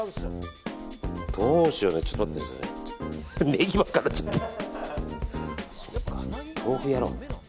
どうしようね。